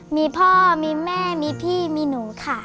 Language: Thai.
มีพ่อมีแม่มีพี่มีหนูค่ะ